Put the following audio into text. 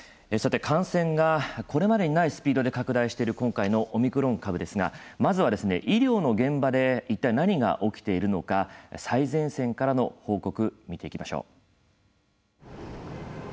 感染がこれまでにないスピードで拡大している今回のオミクロン株ですがまずは医療の現場で一体何が起きているのか最前線からの報告を見ていきましょう。